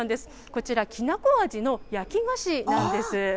こちら、きな粉味の焼き菓子なんです。